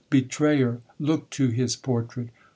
Betrayer!—look to his portrait!